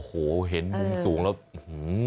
โอ้โหเห็นมุมสูงแล้วอื้อหือ